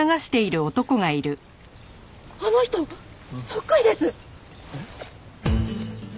あの人そっくりです！